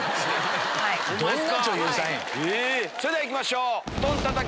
それでは行きましょう。